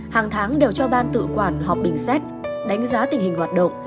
hàng tháng đều cho ban tự quản họp bình xét đánh giá tình hình hoạt động